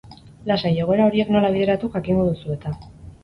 Lasai, egoera horiek nola bideratu jakingo duzu eta.